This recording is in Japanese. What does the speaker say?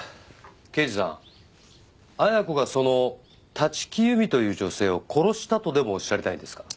刑事さん亜矢子がその立木由美という女性を殺したとでもおっしゃりたいんですか？